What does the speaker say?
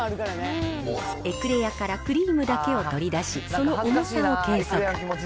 エクレアからクリームだけを取り出し、その重さを計測。